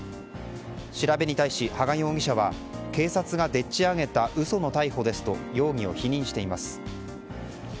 調べに対し、羽賀容疑者は警察がでっち上げた嘘の逮捕ですと容疑を否認しています。